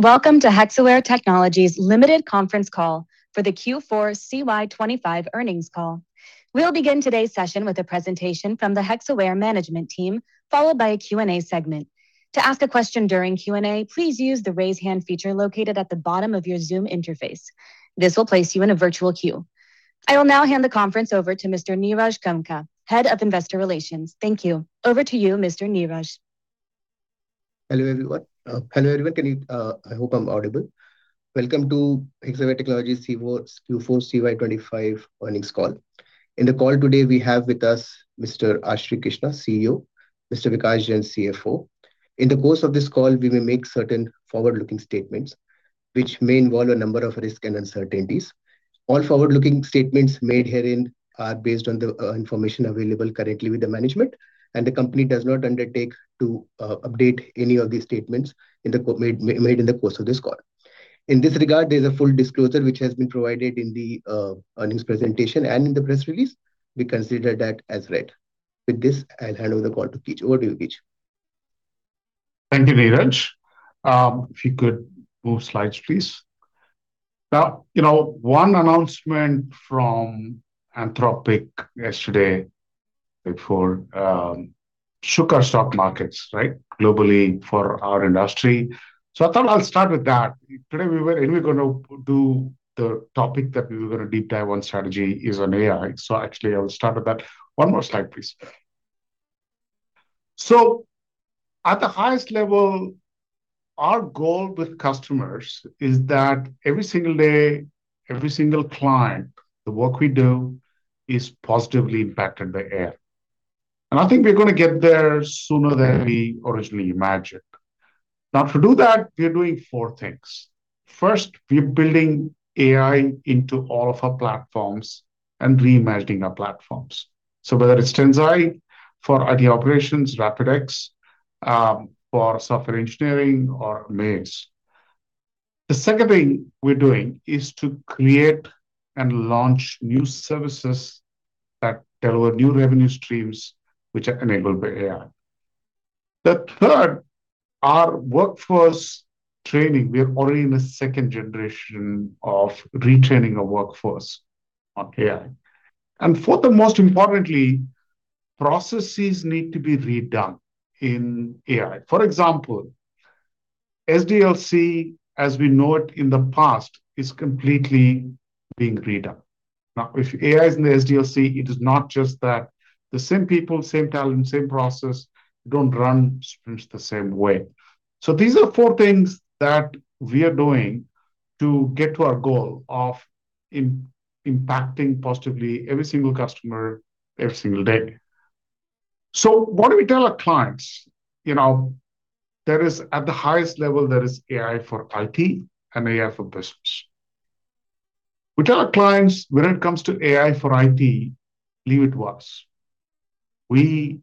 Welcome to Hexaware Technologies Limited Conference Call for the Q4 CY 2025 Earnings Call. We'll begin today's session with a presentation from the Hexaware management team, followed by a Q&A segment. To ask a question during Q&A, please use the Raise Hand feature located at the bottom of your Zoom interface. This will place you in a virtual queue. I will now hand the conference over to Mr. Neeraj Kamtekar, Head of Investor Relations. Thank you. Over to you, Mr. Neeraj. Hello, everyone. Hello, everyone. Can you-- I hope I'm audible. Welcome to Hexaware Technologies Q4, Q4 CY 2025 Earnings Call. In the call today, we have with us Mr. R. Srikrishna, CEO, Mr. Vikash Jain, CFO. In the course of this call, we will make certain forward-looking statements which may involve a number of risks and uncertainties. All forward-looking statements made herein are based on the information available currently with the management, and the company does not undertake to update any of these statements made in the course of this call. In this regard, there's a full disclosure which has been provided in the earnings presentation and in the press release. We consider that as read. With this, I'll hand over the call to Keech. Over to you, Keech. Thank you, Neeraj. If you could move slides, please. Now, you know, one announcement from Anthropic yesterday before shook our stock markets, right? Globally for our industry. So I thought I'll start with that. Today, we were anyway going to do the topic that we were going to deep dive on strategy is on AI. So actually, I will start with that. One more slide, please. So at the highest level, our goal with customers is that every single day, every single client, the work we do is positively impacted by AI. And I think we're gonna get there sooner than we originally imagined. Now, to do that, we are doing four things. First, we are building AI into all of our platforms and reimagining our platforms. So whether it's Tensai for IT operations, RapidX for Softcrylic's engineering, or Amaze. The second thing we're doing is to create and launch new services that deliver new revenue streams, which are enabled by AI. The third, our workforce training. We are already in the second generation of retraining our workforce on AI. And fourth, and most importantly, processes need to be redone in AI. For example, SDLC, as we know it in the past, is completely being redone. Now, if AI is in the SDLC, it is not just that the same people, same talent, same process, don't run sprints the same way. So these are the four things that we are doing to get to our goal of impacting positively every single customer, every single day. So what do we tell our clients? You know, there is... at the highest level, there is AI for IT and AI for business. We tell our clients when it comes to AI for IT, leave it to us. We,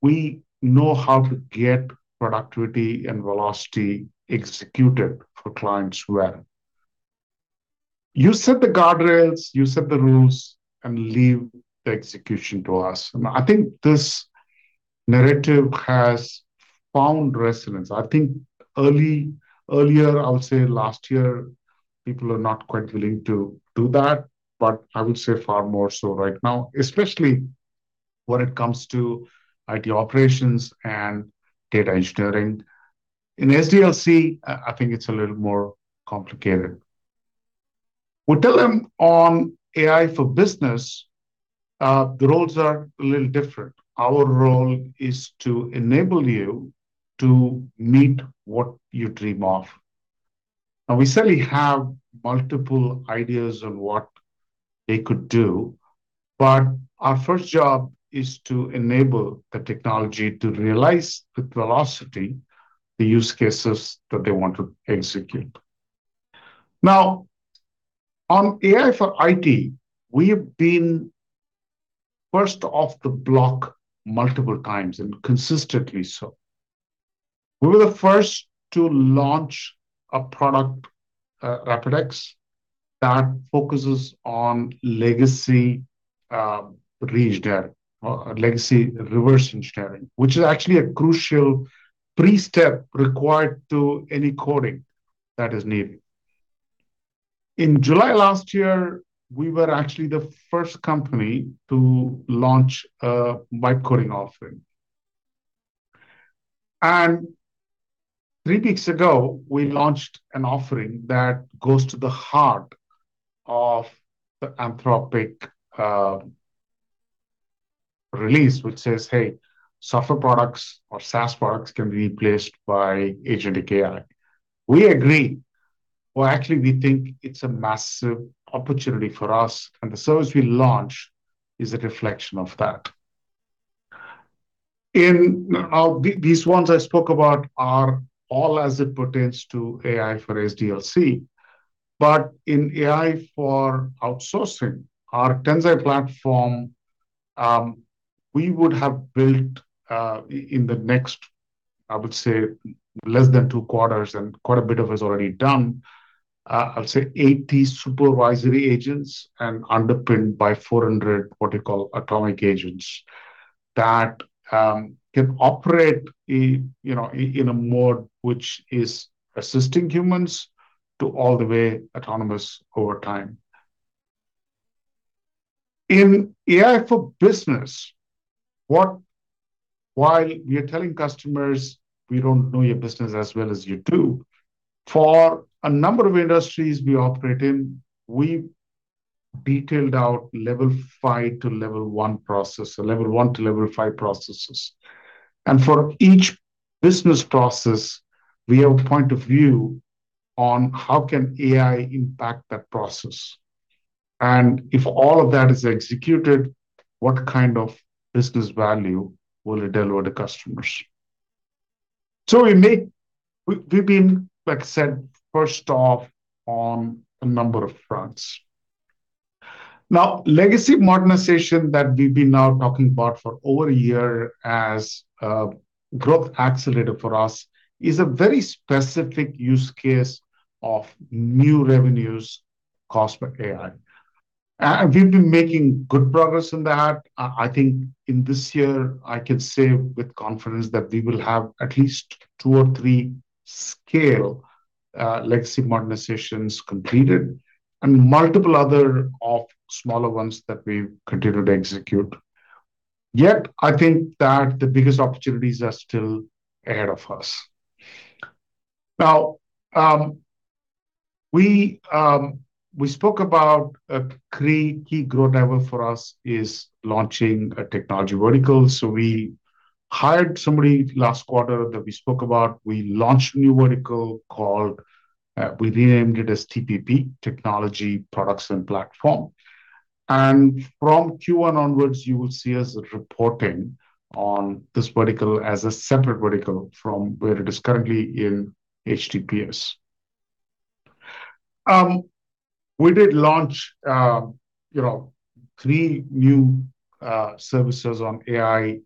we know how to get productivity and velocity executed for clients well. You set the guardrails, you set the rules, and leave the execution to us. And I think this narrative has found resonance. I think earlier, I would say last year, people are not quite willing to do that, but I would say far more so right now, especially when it comes to IT operations and data engineering. In SDLC, I, I think it's a little more complicated. We tell them on AI for business, the roles are a little different. Our role is to enable you to meet what you dream of. Now, we certainly have multiple ideas on what they could do, but our first job is to enable the technology to realize the velocity, the use cases that they want to execute. Now, on AI for IT, we have been first off the block multiple times, and consistently so. We were the first to launch a product, RapidX, that focuses on legacy reengineering, or legacy reverse engineering, which is actually a crucial pre-step required to any coding that is needed. In July last year, we were actually the first company to launch a White Coding offering. Three weeks ago, we launched an offering that goes to the heart of the Anthropic release, which says, "Hey, software products or SaaS products can be replaced by agentic AI." We agree, or actually, we think it's a massive opportunity for us, and the service we launch is a reflection of that. In these ones I spoke about are all as it pertains to AI for SDLC. But in AI for outsourcing, our Tensai platform, we would have built in the next, I would say, less than two quarters, and quite a bit of it is already done. I'll say 80 supervisory agents and underpinned by 400, what you call, atomic agents that can operate in, you know, in, in a mode which is assisting humans to all the way autonomous over time. In AI for business, while we are telling customers we don't know your business as well as you do, for a number of industries we operate in, we detailed out level five to level one process, or level one to level five processes. And for each business process, we have a point of view on how can AI impact that process. And if all of that is executed, what kind of business value will it deliver to customers? So we, we've been, like I said, first off on a number of fronts. Now, legacy modernization that we've been now talking about for over a year as a growth accelerator for us, is a very specific use case of new revenues caused by AI. And we've been making good progress in that. I think in this year, I can say with confidence that we will have at least two or three scale legacy modernizations completed, and multiple other of smaller ones that we've continued to execute. Yet, I think that the biggest opportunities are still ahead of us. Now, we spoke about a key growth driver for us is launching a technology vertical. So we hired somebody last quarter that we spoke about. We launched a new vertical called we renamed it as TPP, Technology Products and Platform. And from Q1 onwards, you will see us reporting on this vertical as a separate vertical from where it is currently in HTPS. We did launch, you know, three new services on AI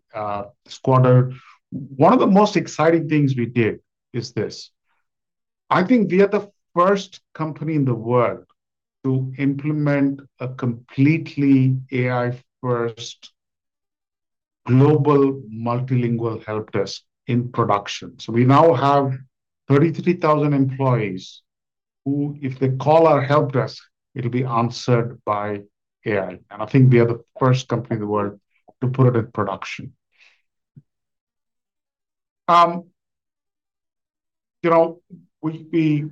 this quarter. One of the most exciting things we did is this: I think we are the first company in the world to implement a completely AI-first global multilingual helpdesk in production. So we now have 33,000 employees, who, if they call our helpdesk, it'll be answered by AI. And I think we are the first company in the world to put it in production. You know, the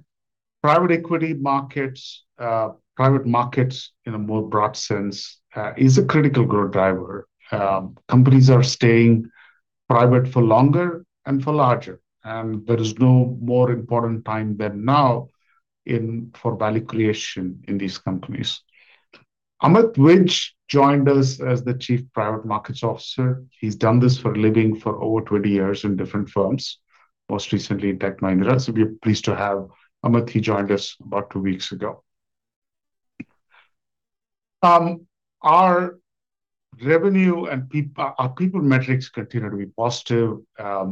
private equity markets, private markets in a more broad sense, is a critical growth driver. Companies are staying private for longer and for larger, and there is no more important time than now in for value creation in these companies. Amit Vinchhi joined us as the Chief Private Markets Officer. He's done this for a living for over 20 years in different firms, most recently in Tech Mahindra. So we are pleased to have Amit. He joined us about two weeks ago. Our revenue and our people metrics continued to be positive.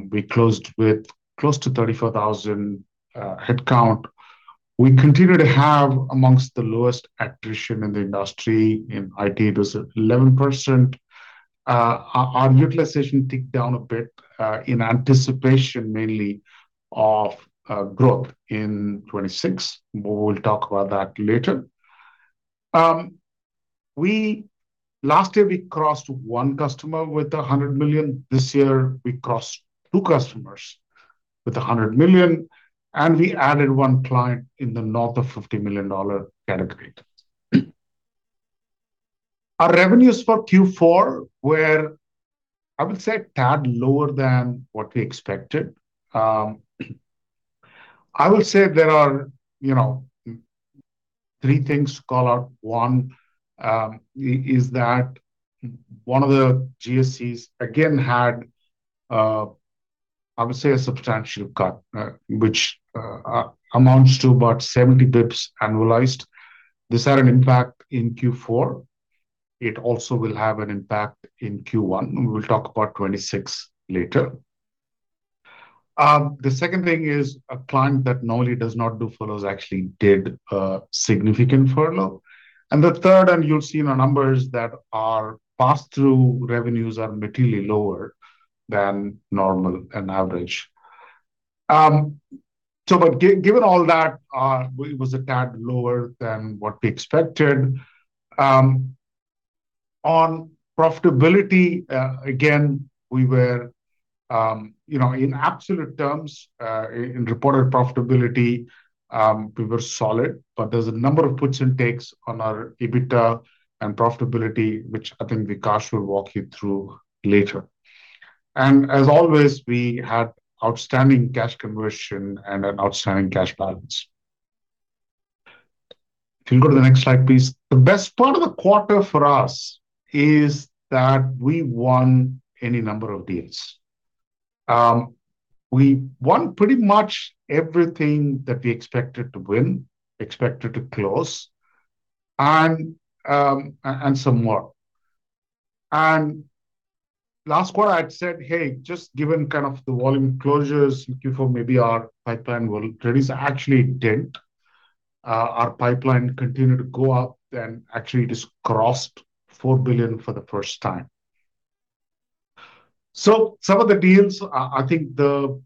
We closed with close to 34,000 headcount. We continue to have among the lowest attrition in the industry. In IT, it was at 11%. Our utilization ticked down a bit in anticipation mainly of growth in 2026. We will talk about that later. Last year, we crossed one customer with $100 million. This year, we crossed two customers with $100 million, and we added one client in the north of $50 million category. Our revenues for Q4 were, I would say, a tad lower than what we expected. I would say there are, you know, three things to call out. One is that one of the GSCs again had I would say a substantial cut which amounts to about 70 bps annualized. This had an impact in Q4. It also will have an impact in Q1, and we'll talk about 26 later. The second thing is a client that normally does not do furloughs actually did a significant furlough. And the third, and you'll see in our numbers, that our pass-through revenues are materially lower than normal and average. So but given all that, it was a tad lower than what we expected. On profitability, again, we were you know in absolute terms in reported profitability we were solid, but there's a number of puts and takes on our EBITDA and profitability, which I think Vikash will walk you through later. And as always, we had outstanding cash conversion and an outstanding cash balance. If you go to the next slide, please. The best part of the quarter for us is that we won any number of deals. We won pretty much everything that we expected to win, expected to close, and some more. And last quarter, I'd said, "Hey, just given kind of the volume closures in Q4, maybe our pipeline will release." Actually, it didn't, our pipeline continued to go up, and actually just crossed $4 billion for the first time. So some of the deals, I, I think the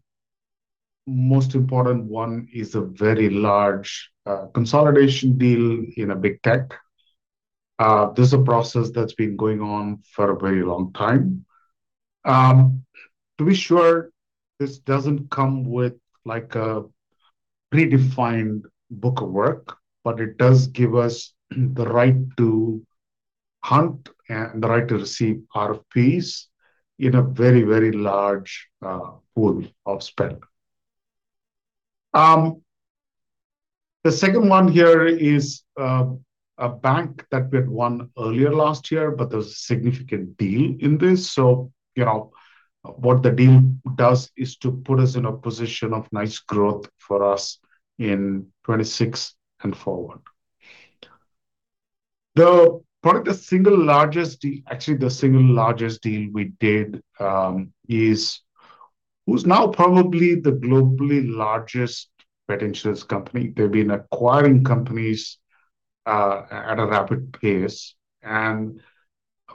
most important one is a very large consolidation deal in a big tech. This is a process that's been going on for a very long time. To be sure, this doesn't come with, like, a predefined book of work, but it does give us the right to hunt and the right to receive RFPs in a very, very large pool of spend. The second one here is a bank that we had won earlier last year, but there's a significant deal in this. So, you know, what the deal does is to put us in a position of nice growth for us in 2026 and forward. The, probably the single largest deal. Actually, the single largest deal we did is who's now probably the globally largest financial company. They've been acquiring companies at a rapid pace, and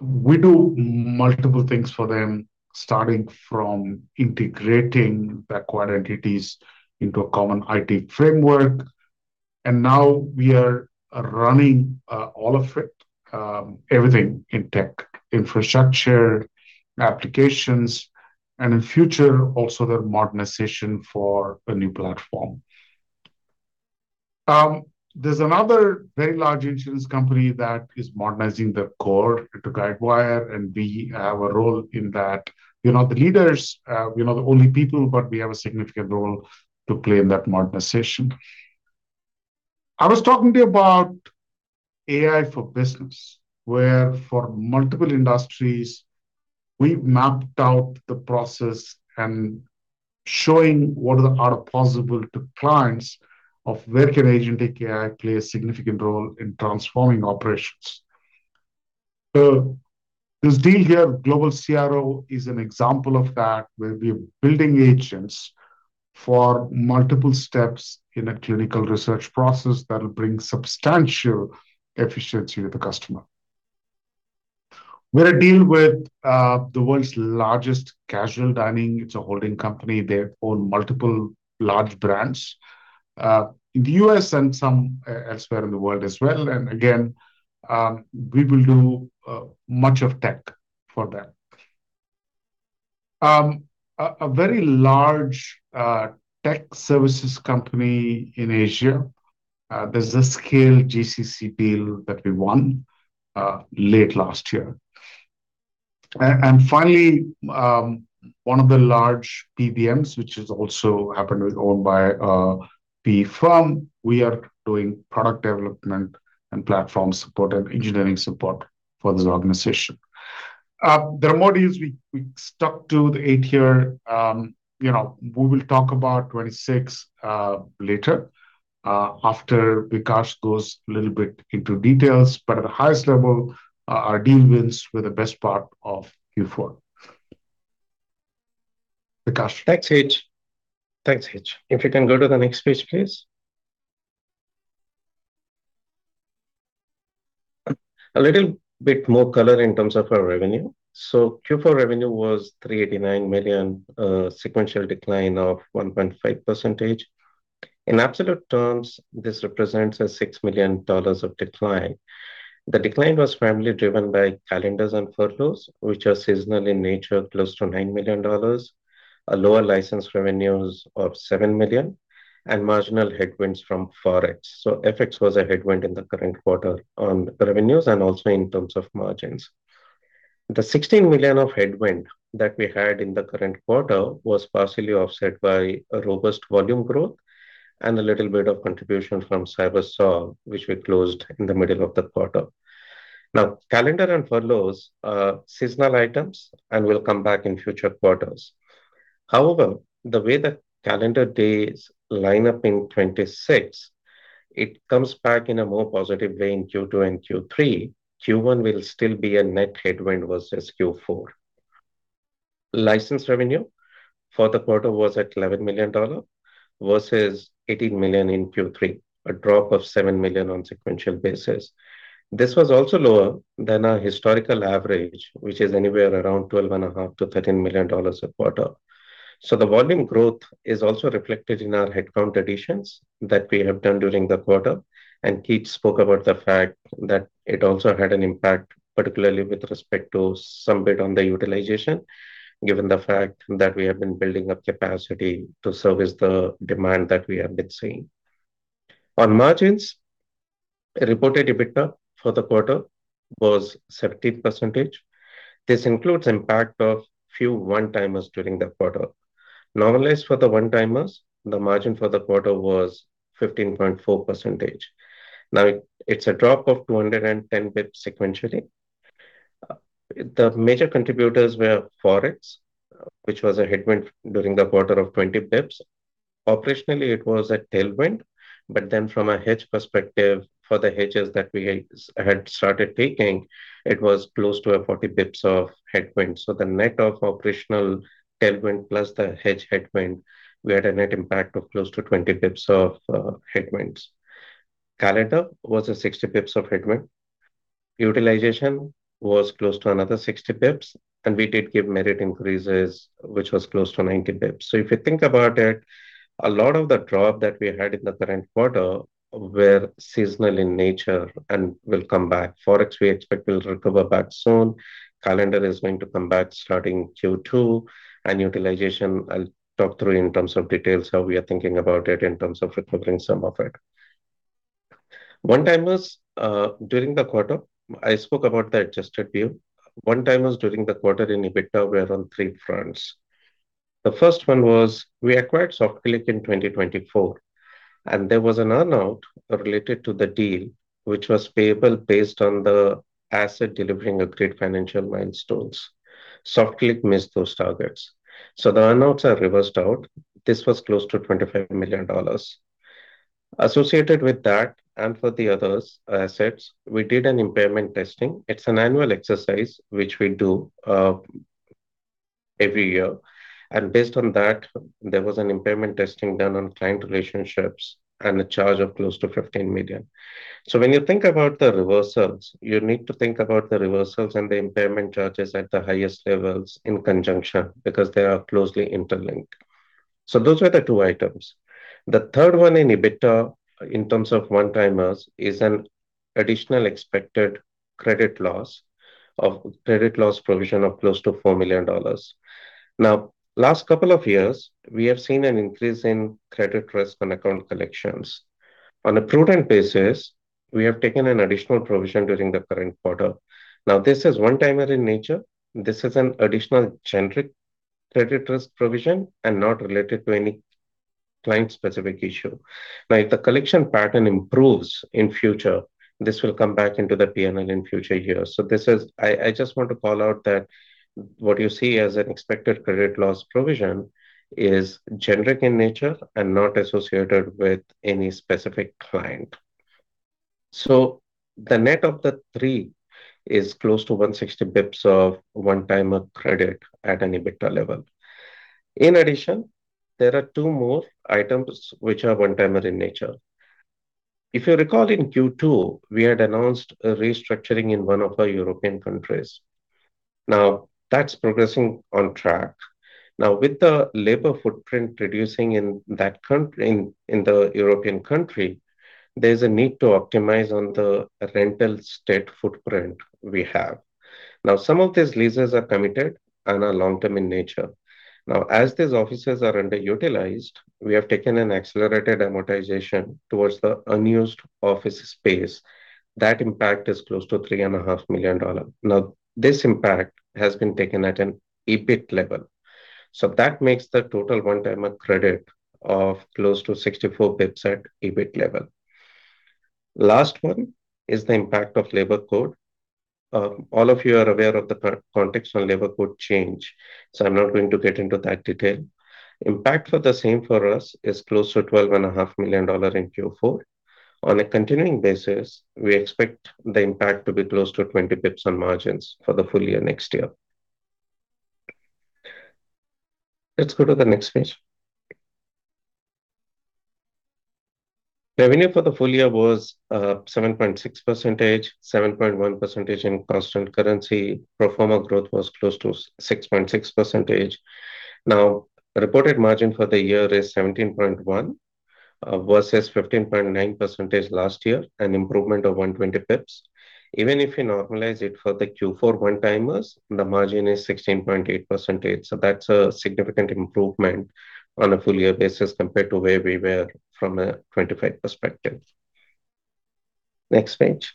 we do multiple things for them, starting from integrating acquired entities into a common IT framework, and now we are running all of it, everything in tech, infrastructure, applications, and in future, also the modernization for a new platform. There's another very large insurance company that is modernizing their core to Guidewire, and we have a role in that. We're not the leaders, we're not the only people, but we have a significant role to play in that modernization. I was talking to you about AI for business, where for multiple industries, we've mapped out the process and showing what are the possible to clients of where can Agentic AI play a significant role in transforming operations. So this deal here, Global CRO, is an example of that, where we're building agents for multiple steps in a clinical research process that will bring substantial efficiency to the customer. We have a deal with the world's largest casual dining. It's a holding company. They own multiple large brands in the US and some elsewhere in the world as well, and again, we will do much of tech for them. A very large tech services company in Asia, there's a scale GCC deal that we won late last year. And finally, one of the large PBMs, which also happens to be owned by the firm, we are doing product development and platform support and engineering support for this organization. There are more deals. We stuck to the eight here. You know, we will talk about 2026, later, after Vikash goes a little bit into details. But at the highest level, our deal wins were the best part of Q4. Vikash? Hej. Thanks, Hej. If you can go to the next page, please. A little bit more color in terms of our revenue. So Q4 revenue was $389 million, sequential decline of 1.5%. In absolute terms, this represents a $6 million of decline. The decline was primarily driven by calendars and furloughs, which are seasonal in nature, close to $9 million, a lower licensed revenues of $7 million, and marginal headwinds from Forex. So FX was a headwind in the current quarter on revenues and also in terms of margins. The $16 million of headwind that we had in the current quarter was partially offset by a robust volume growth and a little bit of contribution from CyberSolve, which we closed in the middle of the quarter. Now, calendar and furloughs are seasonal items and will come back in future quarters. However, the way the calendar days line up in 2026, it comes back in a more positive way in Q2 and Q3. Q1 will still be a net headwind versus Q4. License revenue for the quarter was at $11 million versus $18 million in Q3, a drop of $7 million on sequential basis. This was also lower than our historical average, which is anywhere around $12.5 million-$13 million a quarter. So the volume growth is also reflected in our headcount additions that we have done during the quarter, and Hej spoke about the fact that it also had an impact, particularly with respect to some bit on the utilization, given the fact that we have been building up capacity to service the demand that we have been seeing. On margins, a reported EBITDA for the quarter was 17%. This includes impact of few one-timers during the quarter. Normalized for the one-timers, the margin for the quarter was 15.4%. Now, it's a drop of 210 basis points sequentially. The major contributors were Forex, which was a headwind during the quarter of 20 basis points. Operationally, it was a tailwind, but then from a hedge perspective, for the hedges that we had started taking, it was close to a 40 basis points of headwind. So the net of operational tailwind plus the hedge headwind, we had a net impact of close to 20 basis points of headwinds. Calendar was a 60 basis points of headwind. Utilization was close to another 60 basis points, and we did give merit increases, which was close to 90 basis points. So if you think about it, a lot of the drop that we had in the current quarter were seasonal in nature and will come back. Forex, we expect will recover back soon. Calendar is going to come back starting Q2, and utilization, I'll talk through in terms of details, how we are thinking about it in terms of recovering some of it. One-timers during the quarter, I spoke about the adjusted view. One-timers during the quarter in EBITDA were on three fronts. The first one was we acquired Softcrylic in 2024, and there was an earn-out related to the deal, which was payable based on the asset delivering a great financial milestones. Softcrylic missed those targets, so the earn-outs are reversed out. This was close to $25 million. Associated with that, and for the other assets, we did an impairment testing. It's an annual exercise which we do every year, and based on that, there was an impairment testing done on client relationships and a charge of close to $15 million. So when you think about the reversals, you need to think about the reversals and the impairment charges at the highest levels in conjunction because they are closely interlinked. So those were the two items. The third one in EBITDA, in terms of one-timers, is an additional expected credit loss of—credit loss provision of close to $4 million. Now, last couple of years, we have seen an increase in credit risk and account collections. On a prudent basis, we have taken an additional provision during the current quarter. Now, this is one-timer in nature. This is an additional generic credit risk provision and not related to any client-specific issue. Now, if the collection pattern improves in future, this will come back into the P&L in future years. So this is—I just want to call out that what you see as an expected credit loss provision is generic in nature and not associated with any specific client. So the net of the three is close to 160 bps of one-timer credit at an EBITDA level. In addition, there are two more items which are one-timer in nature. If you recall, in Q2, we had announced a restructuring in one of our European countries. Now, that's progressing on track. Now, with the labor footprint reducing in that country, in the European country, there's a need to optimize on the real estate footprint we have. Now, some of these leases are committed and are long-term in nature. Now, as these offices are underutilized, we have taken an accelerated amortization towards the unused office space. That impact is close to $3.5 million. Now, this impact has been taken at an EBIT level, so that makes the total one-time credit of close to 64 pips at EBIT level. Last one is the impact of Labor Code. All of you are aware of the French Labor Code change, so I'm not going to get into that detail. Impact for the same for us is close to $12.5 million in Q4. On a continuing basis, we expect the impact to be close to 20 pips on margins for the full year next year. Let's go to the next page. Revenue for the full year was 7.6%, 7.1% in constant currency. Pro forma growth was close to six point six percentage. Now, reported margin for the year is 17.1, versus 15.9 percentage last year, an improvement of 120 pips. Even if you normalize it for the Q4 one-timers, the margin is 16.8 percentage, so that's a significant improvement on a full year basis compared to where we were from a 25 perspective. Next page.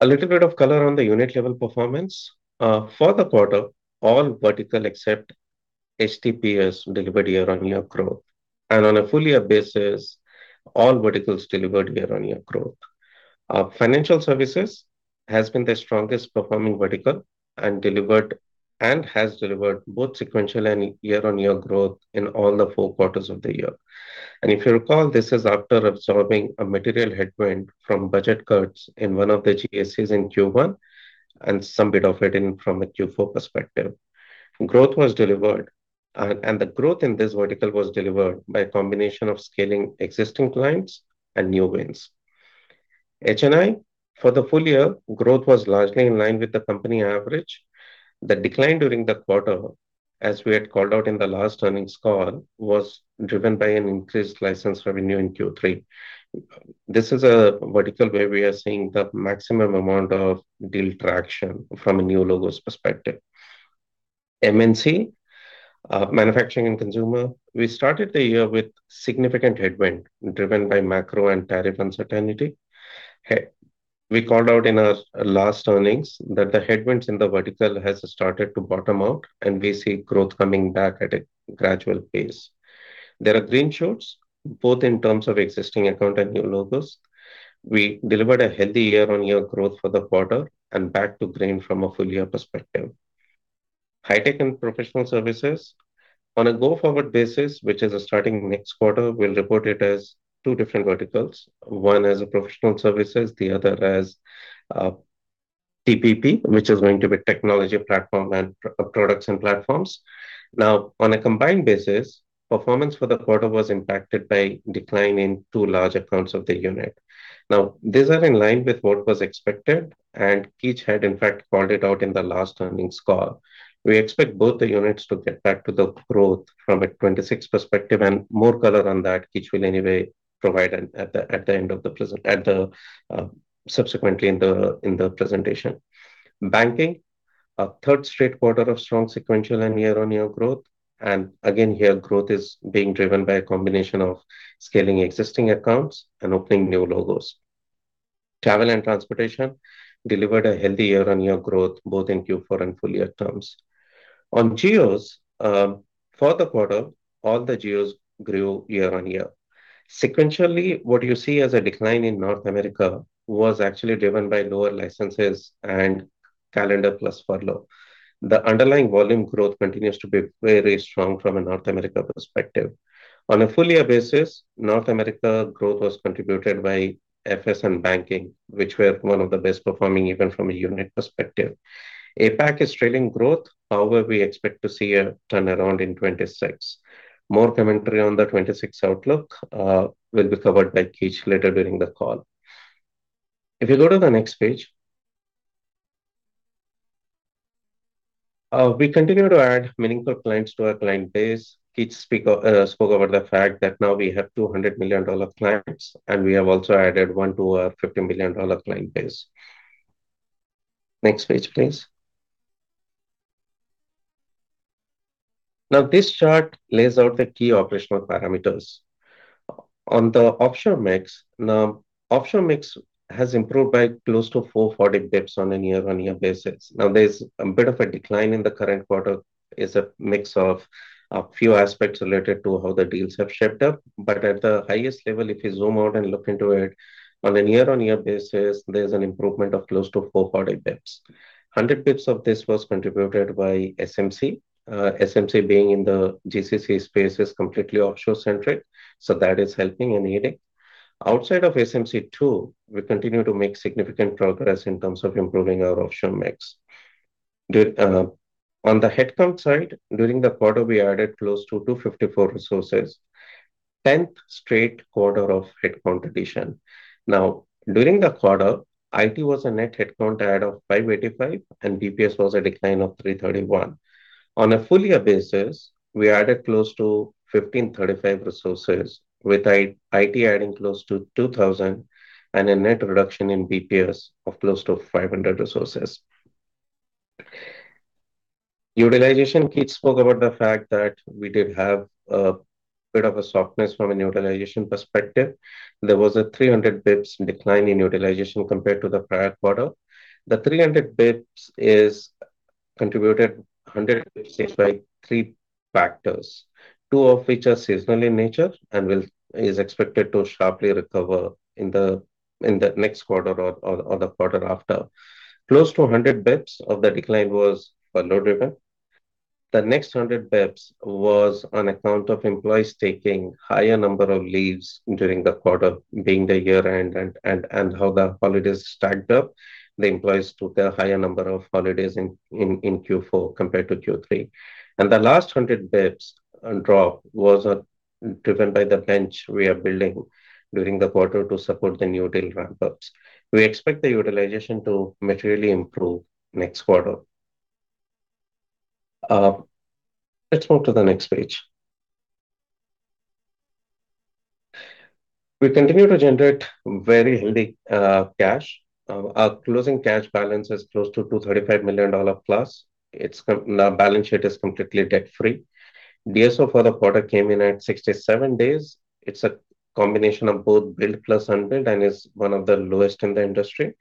A little bit of color on the unit level performance. For the quarter, all vertical, except HTPS, delivered year-on-year growth, and on a full year basis, all verticals delivered year-on-year growth. Financial services has been the strongest performing vertical and delivered-- and has delivered both sequential and year-on-year growth in all four quarters of the year. And if you recall, this is after absorbing a material headwind from budget cuts in one of the GSCs in Q1 and some bit of it in from a Q4 perspective. Growth was delivered, and the growth in this vertical was delivered by a combination of scaling existing clients and new wins. H&I, for the full year, growth was largely in line with the company average. The decline during the quarter, as we had called out in the last earnings call, was driven by an increased license revenue in Q3. This is a vertical where we are seeing the maximum amount of deal traction from a new logos perspective. MNC, manufacturing and consumer. We started the year with significant headwind, driven by macro and tariff uncertainty. We called out in our last earnings that the headwinds in the vertical has started to bottom out, and we see growth coming back at a gradual pace. There are green shoots, both in terms of existing account and new logos. We delivered a healthy year-on-year growth for the quarter and back to green from a full year perspective. High Tech and Professional Services. On a go-forward basis, which is starting next quarter, we'll report it as two different verticals, one as a professional services, the other as TPP, which is going to be technology platform and products and platforms. Now, on a combined basis, performance for the quarter was impacted by decline in two large accounts of the unit. Now, these are in line with what was expected, and Keech had, in fact, called it out in the last earnings call. We expect both the units to get back to the growth from a 2026 perspective, and more color on that, Keech will anyway provide at the end of the presentation subsequently in the presentation. Banking, a third straight quarter of strong sequential and year-on-year growth, and again, here, growth is being driven by a combination of scaling existing accounts and opening new logos. Travel and transportation delivered a healthy year-on-year growth, both in Q4 and full year terms. On geos, for the quarter, all the geos grew year-on-year. Sequentially, what you see as a decline in North America was actually driven by lower licenses and calendar plus furlough. The underlying volume growth continues to be very strong from a North America perspective. On a full year basis, North America growth was contributed by FS and banking, which were one of the best performing, even from a unit perspective. APAC is trailing growth, however, we expect to see a turnaround in 2026. More commentary on the 2026 outlook will be covered by Keech later during the call. If you go to the next page. We continue to add meaningful clients to our client base. Keech spoke about the fact that now we have $200 million clients, and we have also added one to our $50 million client base. Next page, please. Now, this chart lays out the key operational parameters. On the offshore mix, now, offshore mix has improved by close to 400 basis points on a year-on-year basis. Now, there's a bit of a decline in the current quarter. It's a mix of a few aspects related to how the deals have shaped up, but at the highest level, if you zoom out and look into it, on a year-on-year basis, there's an improvement of close to 400 BPS. 100 BPS of this was contributed by SMC. SMC being in the GCC space, is completely offshore centric, so that is helping in editing. Outside of SMC, too, we continue to make significant progress in terms of improving our offshore mix. On the headcount side, during the quarter, we added close to 254 resources. 10th straight quarter of headcount addition. Now, during the quarter, IT was a net headcount add of 585, and BPS was a decline of 331. On a full year basis, we added close to 1,535 resources, with IT, IT adding close to 2,000 and a net reduction in BPS of close to 500 resources. Utilization, Keech spoke about the fact that we did have a bit of a softness from a utilization perspective. There was a 300 BPS decline in utilization compared to the prior quarter. The 300 BPS is contributed hundred BPS by three factors, two of which are seasonal in nature and is expected to sharply recover in the, in the next quarter or, or, or the quarter after. Close to a 100 BPS of the decline was furlough driven. The next 100 BPS was on account of employees taking higher number of leaves during the quarter, being the year-end and, and, and how the holidays stacked up. The employees took a higher number of holidays in Q4 compared to Q3. And the last 100 basis points drop was driven by the bench we are building during the quarter to support the new deal ramp-ups. We expect the utilization to materially improve next quarter. Let's move to the next page. We continue to generate very healthy cash. Our closing cash balance is close to $235 million plus. It's balance sheet is completely debt-free. DSO for the quarter came in at 67 days. It's a combination of both billed plus unbilled, and is one of the lowest in the industry.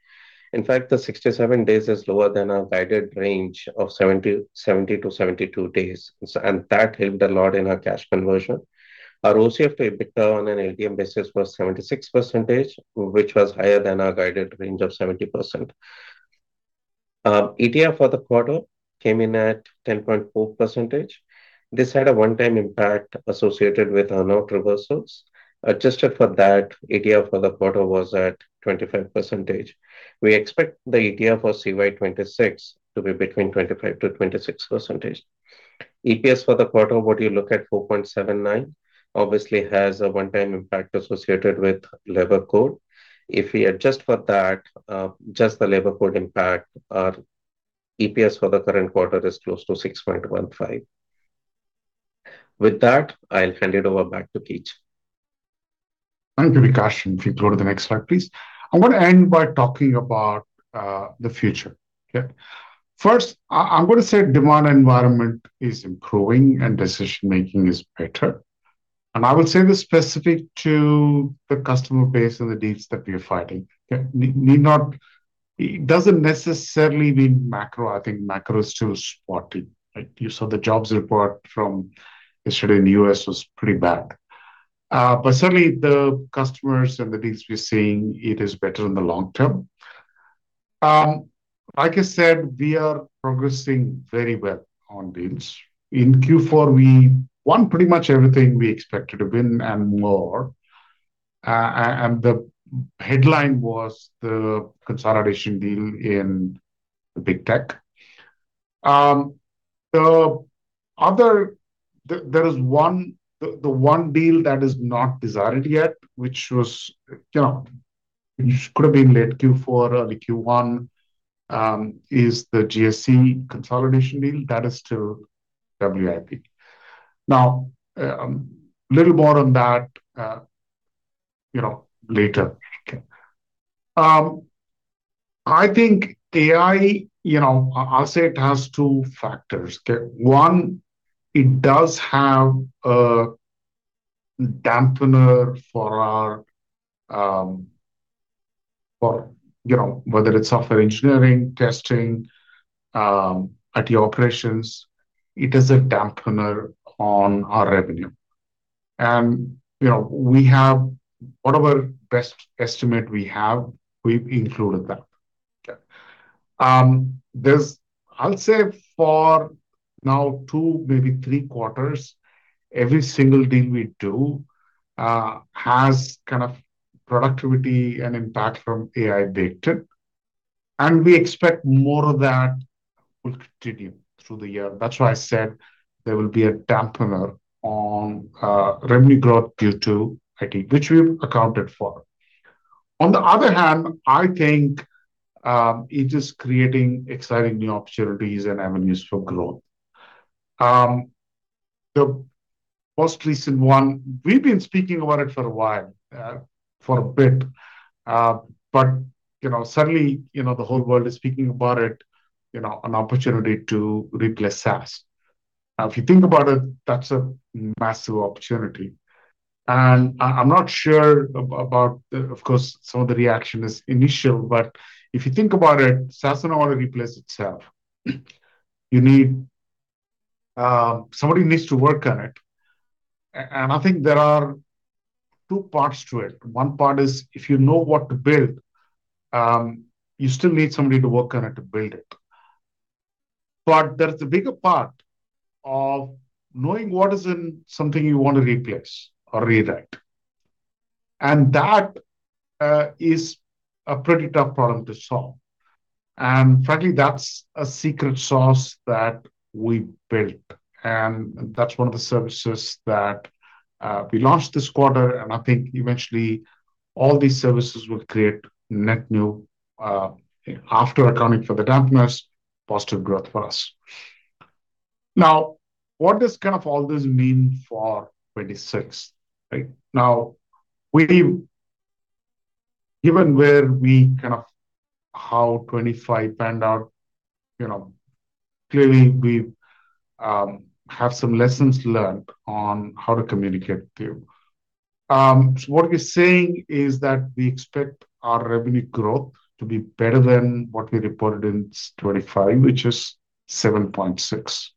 In fact, the 67 days is lower than our guided range of 70-72 days. So, and that helped a lot in our cash conversion. Our OCF to EBITDA on an LTM basis was 76%, which was higher than our guided range of 70%. ETF for the quarter came in at 10.4%. This had a one-time impact associated with our note reversals. Adjusted for that, ETF for the quarter was at 25%. We expect the ETF for CY 2026 to be between 25%-26%. EPS for the quarter, what you look at, 4.79, obviously has a one-time impact associated with Labor Code. If we adjust for that, just the Labor Code impact, our EPS for the current quarter is close to 6.15. With that, I'll hand it over back to Keech. Thank you, Vikash. If you go to the next slide, please. I'm gonna end by talking about the future. Okay? First, I'm going to say demand environment is improving and decision-making is better, and I will say this specific to the customer base and the deals that we are fighting. Okay. Need not-- It doesn't necessarily mean macro. I think macro is still spotted, right? You saw the jobs report from yesterday in the U.S. was pretty bad. But certainly, the customers and the deals we're seeing, it is better in the long term. Like I said, we are progressing very well on deals. In Q4, we won pretty much everything we expected to win and more... and the headline was the consolidation deal in the big tech. The other, there is one deal that is not desired yet, which was, you know, which could have been late Q4 or the Q1, is the GSE consolidation deal. That is still WIP. Now, little more on that, you know, later. Okay. I think AI, you know, I'll say it has two factors, okay? One, it does have a dampener for our, for, you know, whether it's software engineering, testing, IT operations, it is a dampener on our revenue. And, you know, we have... whatever best estimate we have, we've included that. Okay. There's, I'll say for now, two, maybe three quarters, every single deal we do, has kind of productivity and impact from AI data. And we expect more of that will continue through the year. That's why I said there will be a dampener on revenue growth due to IT, which we've accounted for. On the other hand, I think it is creating exciting new opportunities and avenues for growth. The most recent one, we've been speaking about it for a while, for a bit, but you know, suddenly, you know, the whole world is speaking about it, you know, an opportunity to replace SaaS. Now, if you think about it, that's a massive opportunity. And I, I'm not sure about the... of course, some of the reaction is initial, but if you think about it, SaaS cannot replace itself. You need somebody needs to work on it. And I think there are two parts to it. One part is, if you know what to build, you still need somebody to work on it to build it. But there's a bigger part of knowing what is in something you want to replace or rewrite, and that is a pretty tough problem to solve. And frankly, that's a secret sauce that we built, and that's one of the services that we launched this quarter, and I think eventually all these services will create net new, after accounting for the dampness, positive growth for us. Now, what does kind of all this mean for 2026? Right. Now, we... given where we kind of how 2025 panned out, you know, clearly we have some lessons learned on how to communicate too. So what we're saying is that we expect our revenue growth to be better than what we reported in 2025, which is 7.6%. I,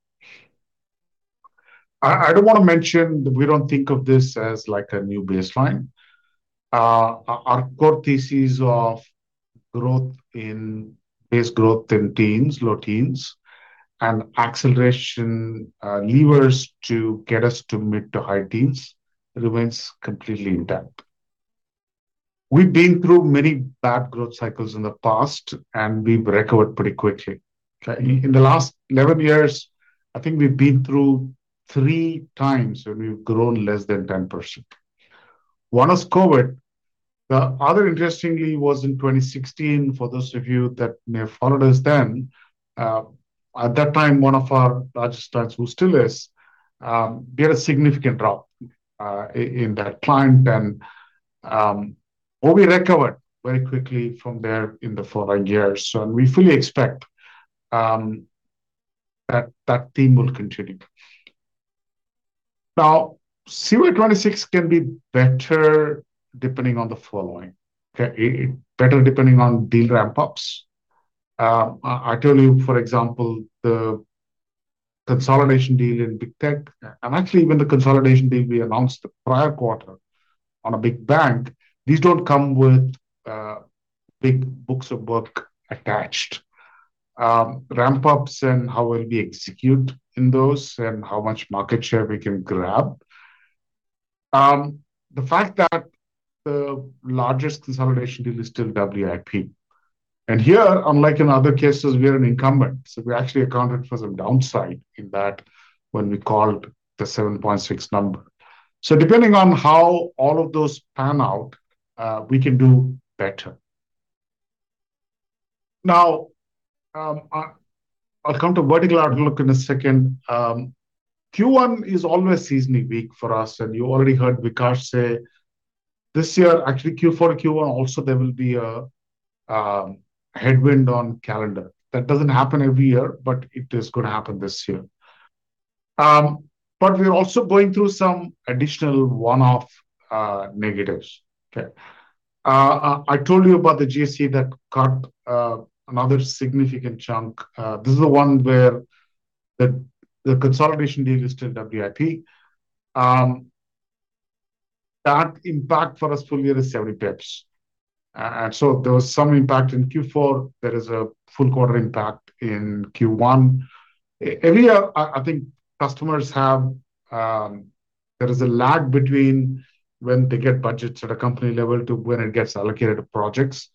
I don't want to mention, we don't think of this as like a new baseline. Our core thesis of growth in—base growth in teens, low teens, and acceleration, levers to get us to mid to high teens remains completely intact. We've been through many bad growth cycles in the past, and we've recovered pretty quickly. In the last 11 years, I think we've been through three times when we've grown less than 10%. One was COVID. The other, interestingly, was in 2016. For those of you that may have followed us then, at that time, one of our largest clients, who still is, we had a significant drop, in that client. But we recovered very quickly from there in the following years, so and we fully expect that that team will continue. Now, FY 2026 can be better depending on the following, okay? Better depending on deal ramp-ups. I told you, for example, the consolidation deal in big tech, and actually even the consolidation deal we announced the prior quarter on a big bank, these don't come with big books of work attached. Ramp-ups and how well we execute in those, and how much market share we can grab. The fact that the largest consolidation deal is still WIP. And here, unlike in other cases, we are an incumbent, so we actually accounted for some downside in that when we called the 7.6 number. So depending on how all of those pan out, we can do better. Now, I'll come to vertical outlook in a second. Q1 is always seasonally weak for us, and you already heard Vikash say, this year, actually Q4, Q1 also, there will be a headwind on calendar. That doesn't happen every year, but it is gonna happen this year. But we're also going through some additional one-off negatives. Okay? I told you about the GSC that got another significant chunk. This is the one where the consolidation deal is still WIP. That impact for us full year is 70 basis points. And so there was some impact in Q4. There is a full quarter impact in Q1. Every year, I think customers have... There is a lag between when they get budgets at a company level to when it gets allocated to projects.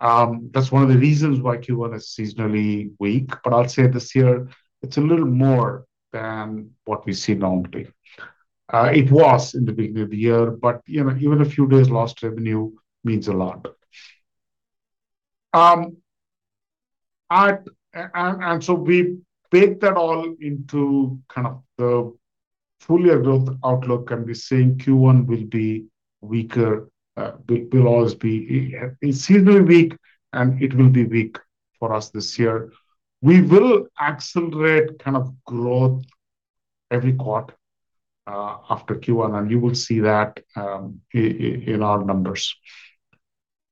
That's one of the reasons why Q1 is seasonally weak, but I'll say this year it's a little more than what we see normally. It was in the beginning of the year, but, you know, even a few days lost revenue means a lot. And so we bake that all into kind of the full year growth outlook, and we're saying Q1 will be weaker, will always be seasonally weak, and it will be weak for us this year. We will accelerate kind of growth every quarter after Q1, and you will see that in our numbers.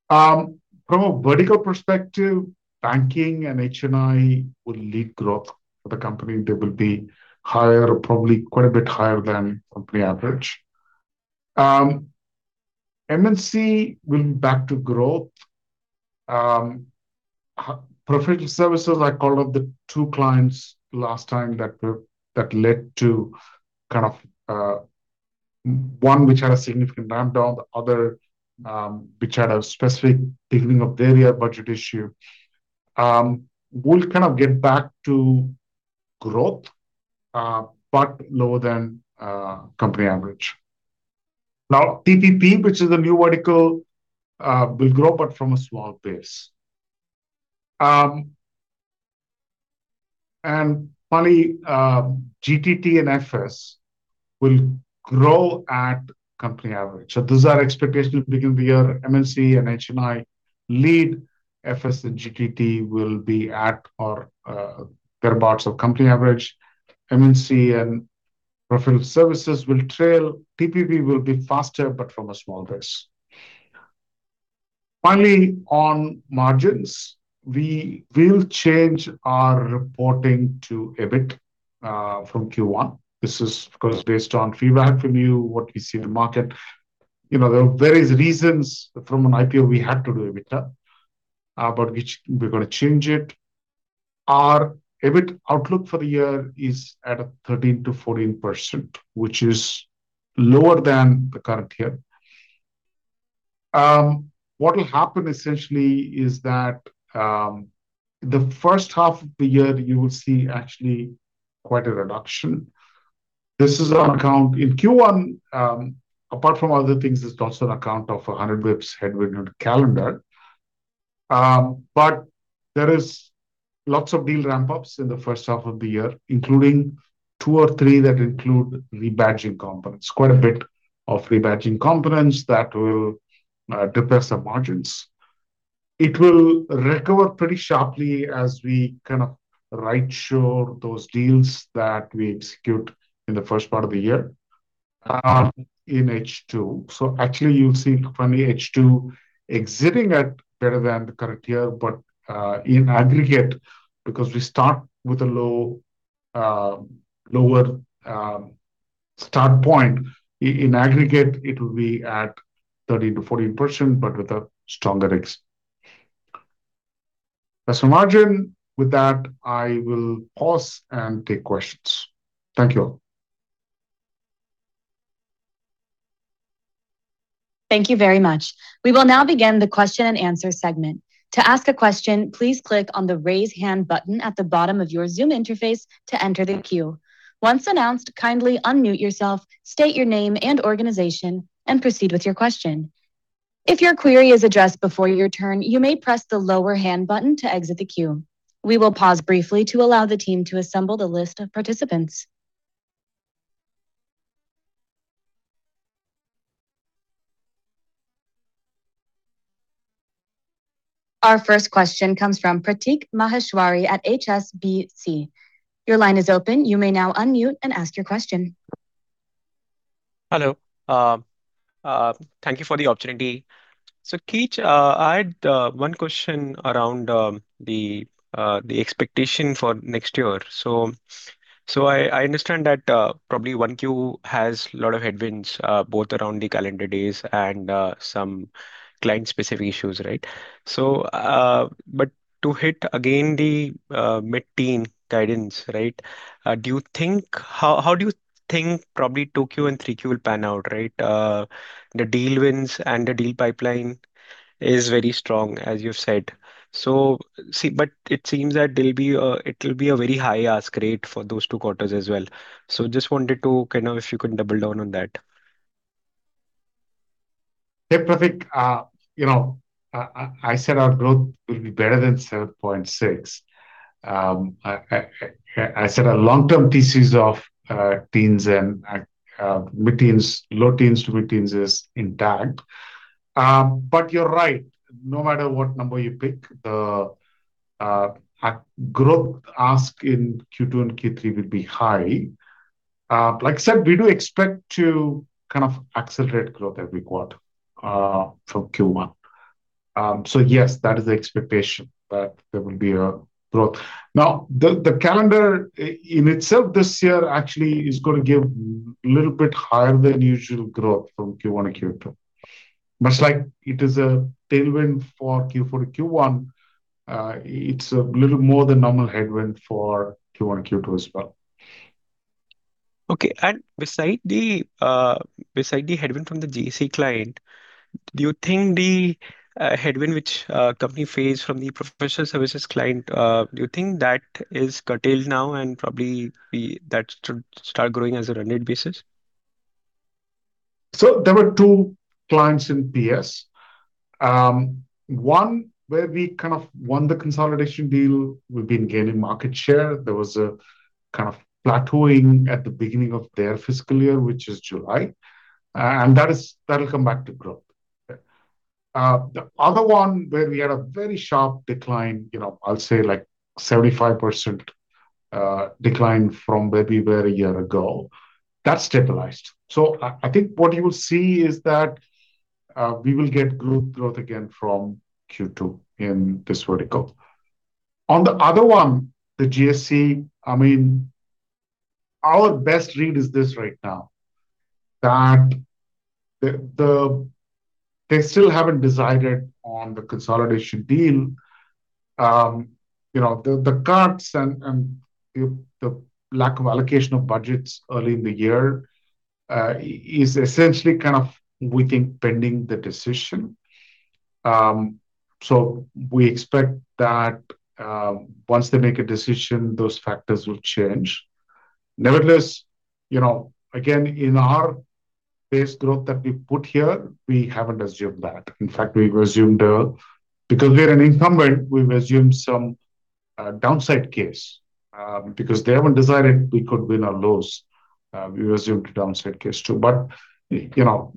From a vertical perspective, banking and HNI will lead growth for the company. They will be higher, probably quite a bit higher than company average. MNC will be back to growth. Professional Services, I called out the two clients last time that led to kind of, one which had a significant ramp down, the other, which had a specific beginning of the year budget issue. We'll kind of get back to growth, but lower than company average. Now, TPP, which is a new vertical, will grow but from a small base. And finally, GTT and FS will grow at company average. So those are our expectations beginning of the year. MNC and HNI lead. FS and GTT will be at or whereabouts of company average. MNC and Professional Services will trail. TPP will be faster, but from a small base. Finally, on margins, we will change our reporting to EBIT from Q1. This is, of course, based on feedback from you, what we see in the market. You know, there are various reasons from an IPO we had to do EBIT, but which we're gonna change it. Our EBIT outlook for the year is at a 13%-14%, which is lower than the current year. What will happen essentially is that, the first half of the year, you will see actually quite a reduction. This is on account of. In Q1, apart from other things, there's also on account of a 100 basis points headwind on the calendar. But there is lots of deal ramp-ups in the first half of the year, including two or three that include rebadging components. Quite a bit of rebadging components that will depress the margins. It will recover pretty sharply as we kind of rightshore those deals that we execute in the first part of the year, in H2. So actually, you'll see from the H2 exiting at better than the current year, but in aggregate, because we start with a low, lower start point, in aggregate, it will be at 13%-14%, but with a stronger exit. That's the margin. With that, I will pause and take questions. Thank you all. Thank you very much. We will now begin the question and answer segment. To ask a question, please click on the Raise Hand button at the bottom of your Zoom interface to enter the queue. Once announced, kindly unmute yourself, state your name and organization, and proceed with your question. If your query is addressed before your turn, you may press the Lower Hand button to exit the queue. We will pause briefly to allow the team to assemble the list of participants. Our first question comes from Pratik Maheshwari at HSBC. Your line is open. You may now unmute and ask your question. Hello. Thank you for the opportunity. So, Keech, I had one question around the expectation for next year. So, I understand that probably 1Q has a lot of headwinds both around the calendar days and some client-specific issues, right? But to hit again the mid-teen guidance, right, do you think... How do you think probably 2Q and 3Q will pan out, right? The deal wins and the deal pipeline is very strong, as you've said. But it seems that there'll be a very high ask rate for those two quarters as well. So just wanted to kind of... If you could double down on that. Hey, Pratik. You know, I said our growth will be better than 7.6. I said our long-term thesis of teens and mid-teens, low teens to mid-teens is intact. But you're right. No matter what number you pick, the growth ask in Q2 and Q3 will be high. Like I said, we do expect to kind of accelerate growth every quarter from Q1. So yes, that is the expectation that there will be a growth. Now, the calendar in itself this year actually is gonna give a little bit higher than usual growth from Q1-Q2. Much like it is a tailwind for Q4-Q1, it's a little more than normal headwind for Q1-Q2 as well. Okay. And besides the headwind from the GSC client, do you think the headwind which company face from the professional services client, do you think that is curtailed now and probably that should start growing as a renewed basis? So there were two clients in PS. One where we kind of won the consolidation deal, we've been gaining market share. There was a kind of plateauing at the beginning of their fiscal year, which is July. And that is, that'll come back to growth. The other one where we had a very sharp decline, you know, I'll say like 75%, decline from where we were a year ago. That's stabilized. So I, I think what you will see is that, we will get good growth again from Q2 in this vertical. On the other one, the GSC, I mean, our best read is this right now: that the, the—they still haven't decided on the consolidation deal. You know, the cuts and the lack of allocation of budgets early in the year is essentially kind of, we think, pending the decision. So we expect that, once they make a decision, those factors will change. Nevertheless, you know, again, in our base growth that we put here, we haven't assumed that. In fact, we've assumed, because we are an incumbent, we've assumed some downside case. Because they haven't decided we could win or lose. We assumed a downside case, too. But, you know,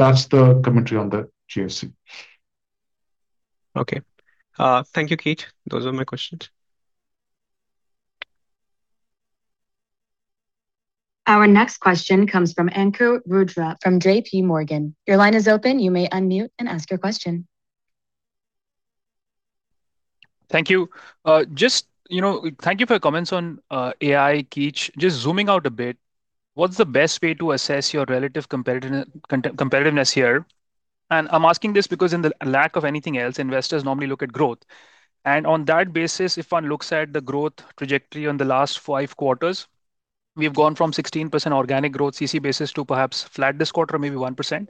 that's the commentary on the GSC. Okay. Thank you, Keech. Those are my questions. Our next question comes from Ankur Rudra, from J.P. Morgan. Your line is open. You may unmute and ask your question. Thank you. Just, you know, thank you for your comments on AI, Keet. Just zooming out a bit, what's the best way to assess your relative competitiveness here? I'm asking this because in the lack of anything else, investors normally look at growth. On that basis, if one looks at the growth trajectory on the last five quarters, we've gone from 16% organic growth CC basis to perhaps flat this quarter, maybe 1%.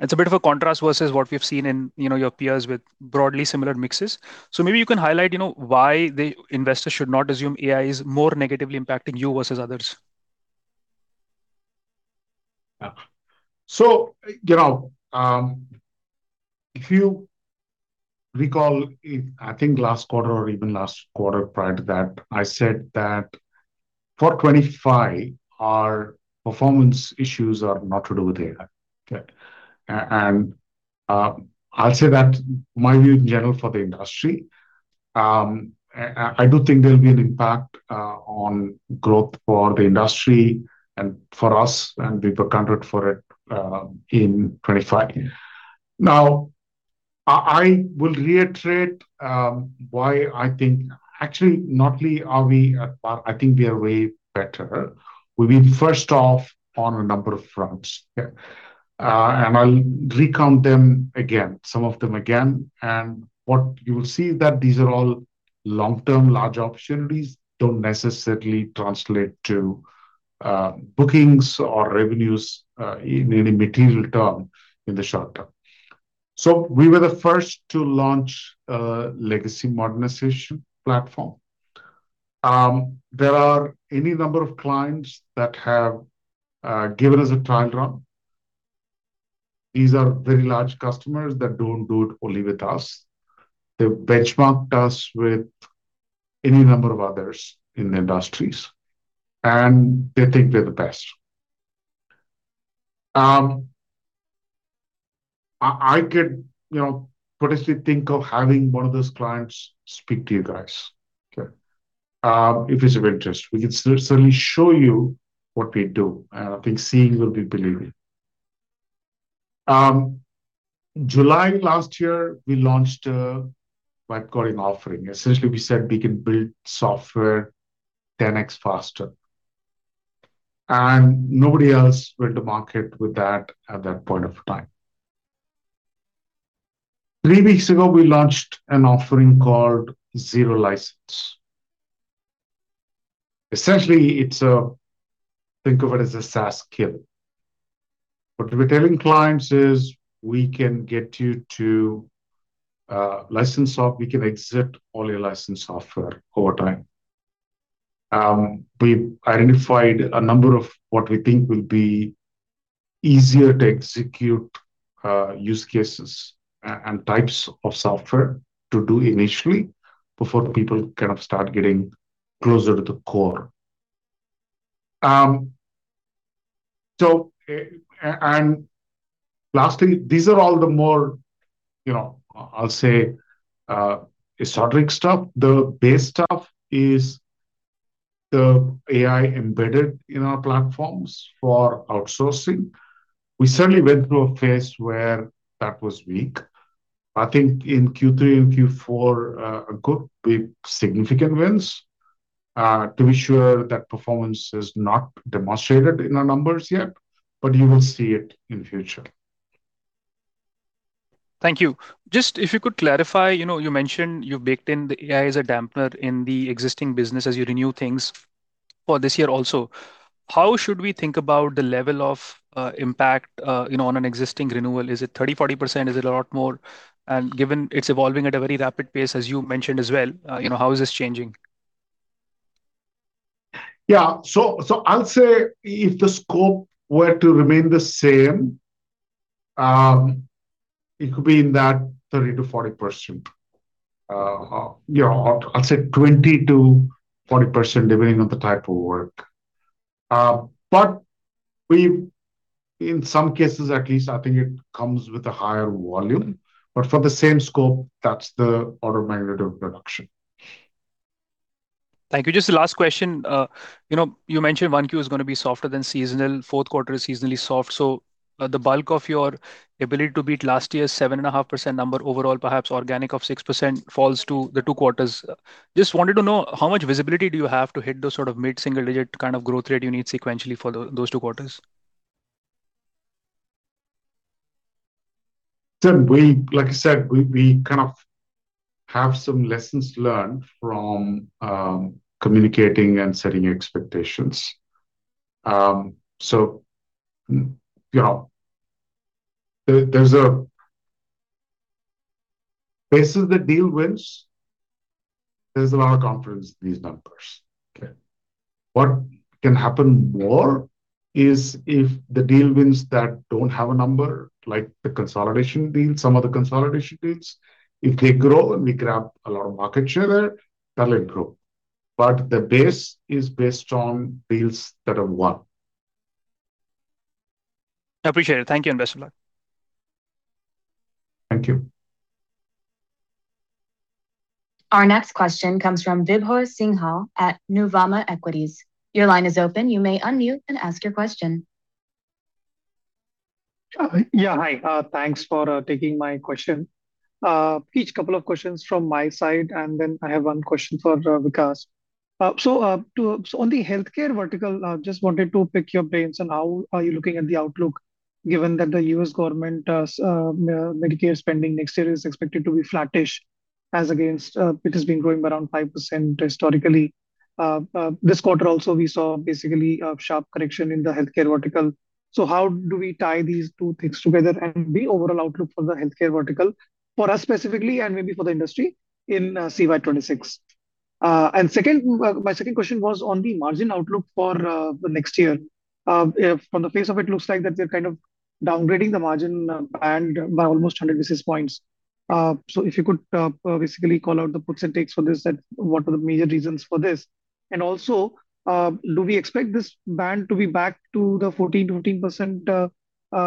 It's a bit of a contrast versus what we've seen in, you know, your peers with broadly similar mixes. So maybe you can highlight, you know, why the investors should not assume AI is more negatively impacting you versus others. Yeah. So, you know, if you recall, I think last quarter or even last quarter prior to that, I said that for 2025, our performance issues are not to do with AI, okay? And, I'll say that my view in general for the industry, I do think there will be an impact on growth for the industry and for us, and we've accounted for it in 2025. Now, I will reiterate why I think... Actually, not only are we at par, I think we are way better. We've been first off on a number of fronts, okay? And I'll recount them again, some of them again. And what you will see is that these are all long-term, large opportunities, don't necessarily translate to bookings or revenues in any material term in the short term. So we were the first to launch a legacy modernization platform. There are any number of clients that have given us a trial run. These are very large customers that don't do it only with us. They've benchmarked us with any number of others in the industries, and they think we're the best. I could, you know, potentially think of having one of those clients speak to you guys, okay? If it's of interest, we can certainly show you what we do, and I think seeing will be believing. July last year, we launched a White Coding offering. Essentially, we said we can build software 10x faster, and nobody else went to market with that at that point of time. Three weeks ago, we launched an offering called Zero License. Essentially, it's a think of it as a SaaS kill. What we're telling clients is, we can get you to license soft-- we can exit all your licensed software over time. We've identified a number of what we think will be easier to execute, use cases and types of software to do initially before people kind of start getting closer to the core. And lastly, these are all the more, you know, I'll say, exciting stuff. The base stuff is the AI embedded in our platforms for outsourcing. We certainly went through a phase where that was weak.... I think in Q3 and Q4 could be significant wins. To be sure, that performance is not demonstrated in our numbers yet, but you will see it in future. Thank you. Just if you could clarify, you know, you mentioned you've baked in the AI as a dampener in the existing business as you renew things for this year also. How should we think about the level of, impact, you know, on an existing renewal? Is it 30, 40%? Is it a lot more? And given it's evolving at a very rapid pace, as you mentioned as well, you know, how is this changing? Yeah. So, I'll say if the scope were to remain the same, it could be in that 30%-40%. You know, I'd say 20%-40%, depending on the type of work. But we've in some cases at least, I think it comes with a higher volume, but for the same scope, that's the order of magnitude of production. Thank you. Just the last question. You know, you mentioned one Q is gonna be softer than seasonal. Fourth quarter is seasonally soft. So the bulk of your ability to beat last year's 7.5% number overall, perhaps organic of 6%, falls to the two quarters. Just wanted to know, how much visibility do you have to hit those sort of mid-single-digit kind of growth rate you need sequentially for those two quarters? So, like I said, we kind of have some lessons learned from communicating and setting expectations. You know, based on the deal wins, there's a lot of confidence in these numbers. Okay? What can happen more is if the deal wins that don't have a number, like the consolidation deals, some of the consolidation deals, if they grow and we grab a lot of market share, that'll grow. But the base is based on deals that have won. I appreciate it. Thank you, and best of luck. Thank you. Our next question comes from Vibhor Singhal at Nuvama Equities. Your line is open. You may unmute and ask your question. Yeah, hi. Thanks for taking my question. I have a couple of questions from my side, and then I have one question for Vikash. So, on the healthcare vertical, I just wanted to pick your brains on how are you looking at the outlook, given that the U.S. government, Medicare spending next year is expected to be flattish, as against, it has been growing by around 5% historically. This quarter also, we saw basically a sharp correction in the healthcare vertical. So how do we tie these two things together and the overall outlook for the healthcare vertical, for us specifically and maybe for the industry in CY 2026? And second, my second question was on the margin outlook for the next year. From the face of it, looks like that they're kind of downgrading the margin band by almost 100 basis points. So if you could basically call out the puts and takes for this, and what are the major reasons for this? And also, do we expect this band to be back to the 14%-15%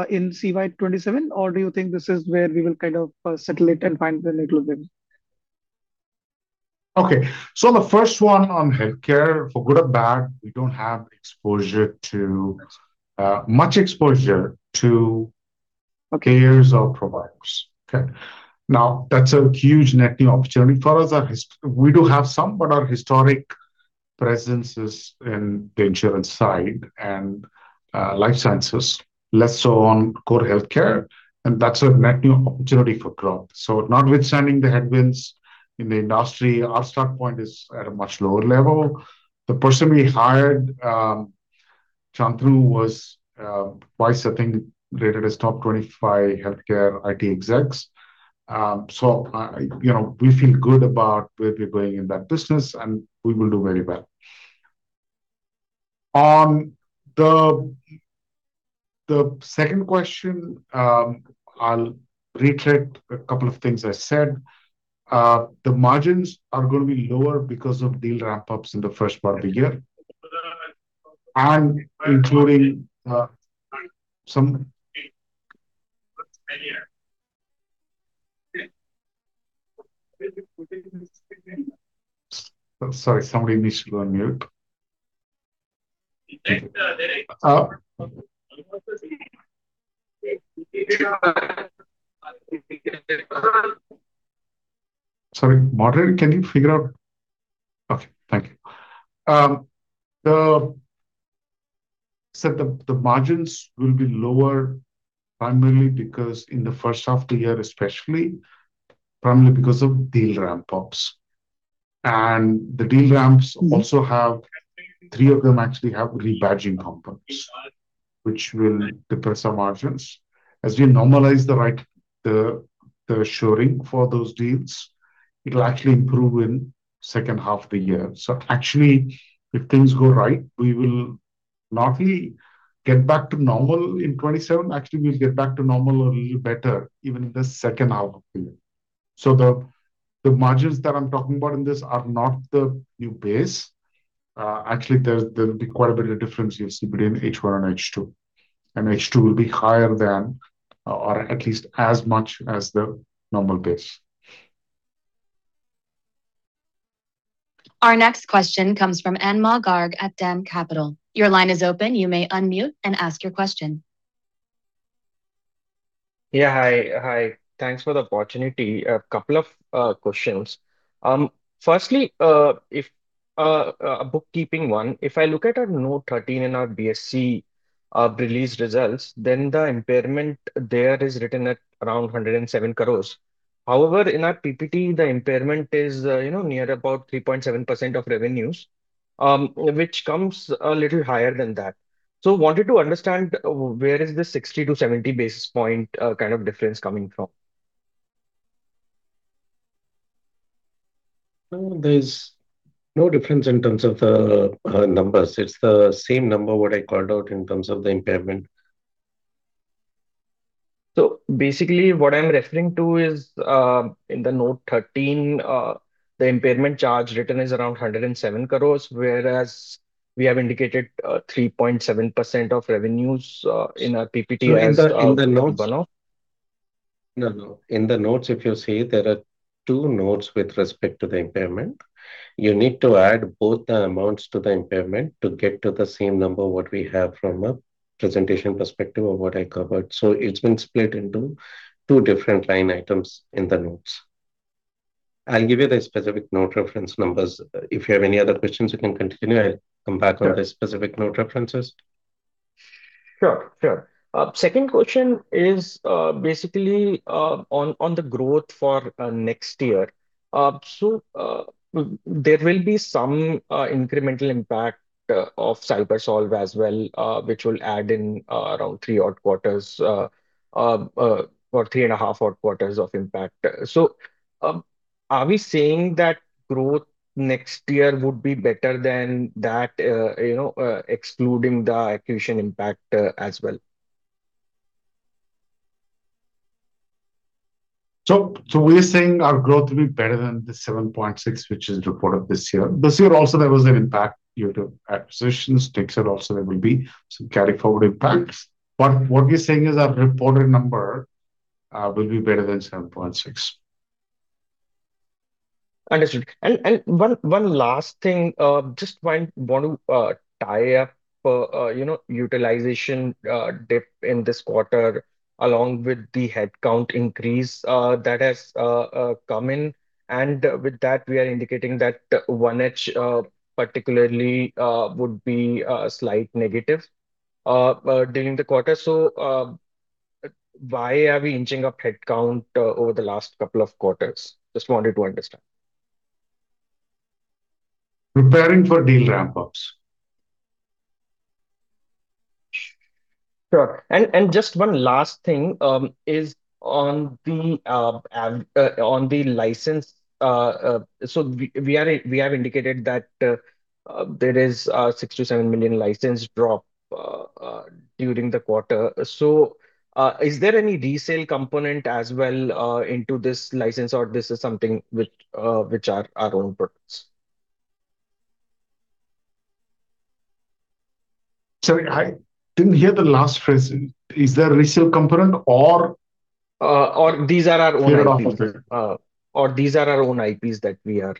in CY 2027, or do you think this is where we will kind of settle it and find the little bit? Okay. So the first one on healthcare, for good or bad, we don't have exposure to much exposure to payers or providers. Okay? Now, that's a huge net new opportunity. For us, our history, we do have some, but our historic presence is in the insurance side and life sciences, less so on core healthcare, and that's a net new opportunity for growth. So notwithstanding the headwinds in the industry, our start point is at a much lower level. The person we hired, Chandru, was twice, I think, rated as top 25 healthcare IT execs. So you know, we feel good about where we're going in that business, and we will do very well. On the second question, I'll retrace a couple of things I said. The margins are gonna be lower because of deal ramp-ups in the first part of the year, and including some-... Sorry, somebody needs to go on mute. Sorry, moderator, can you figure out. Okay, thank you. The margins will be lower, primarily because in the first half of the year, especially, primarily because of deal ramp-ups. And the deal ramps also have, three of them actually have rebadging components, which will depress our margins. As we normalize the rightshoring, the sourcing for those deals, it'll actually improve in second half of the year. So actually, if things go right, we will not only get back to normal in 2027, actually, we'll get back to normal a little better, even in the second half of the year. So the margins that I'm talking about in this are not the new base. Actually, there'll be quite a bit of difference you'll see between H1 and H2, and H2 will be higher than, or at least as much as the normal base.... Our next question comes from Anmol Garg at DAM Capital. Your line is open. You may unmute and ask your question. Yeah. Hi, hi. Thanks for the opportunity. A couple of questions. Firstly, a bookkeeping one, if I look at our note 13 in our BSC release results, then the impairment there is written at around 107 crores. However, in our PPT, the impairment is, you know, near about 3.7% of revenues, which comes a little higher than that. So wanted to understand, where is the 60-70 basis point kind of difference coming from? There's no difference in terms of the numbers. It's the same number what I called out in terms of the impairment. So basically, what I'm referring to is, in the note 13, the impairment charge written is around 107 crores, whereas we have indicated, 3.7% of revenues, in our PPT as- In the notes, if you see, there are two notes with respect to the impairment. You need to add both the amounts to the impairment to get to the same number what we have from a presentation perspective of what I covered. So it's been split into two different line items in the notes. I'll give you the specific note reference numbers. If you have any other questions, you can continue. I'll come back on the specific- Sure... note references. Sure, sure. Second question is, basically, on, on the growth for, next year. So, there will be some, incremental impact, of CyberSolve as well, which will add in, around three odd quarters, or three and a half odd quarters of impact. So, are we saying that growth next year would be better than that, you know, excluding the acquisition impact, as well? So, so we're saying our growth will be better than the 7.6, which is reported this year. This year also, there was an impact due to acquisitions. Next year also there will be some carry forward impacts. But what we're saying is our reported number will be better than 7.6. Understood. One last thing, just might want to tie up, you know, utilization dip in this quarter, along with the headcount increase, that has come in, and with that, we are indicating that one edge, particularly, would be a slight negative during the quarter. So, why are we inching up headcount over the last couple of quarters? Just wanted to understand. Preparing for deal ramp-ups. Sure. And just one last thing is on the license. So we have indicated that there is a $6 million-$7 million license drop during the quarter. So is there any resale component as well into this license, or this is something which are our own products? Sorry, I didn't hear the last phrase. Is there a resale component or...? or these are our own IPs- Repeat it again. Or these are our own IPs that we are